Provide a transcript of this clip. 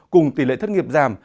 cùng tỷ lệ thất nghiệp giảm